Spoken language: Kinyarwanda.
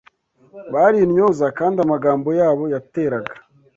Bari intyoza kandi amagambo yabo yateraga